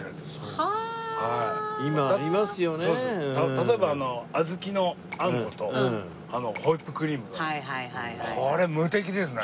例えばあの小豆のあんことホイップクリームはこれ無敵ですね。